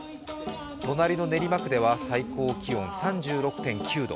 隣の練馬区では最高気温３６．９度。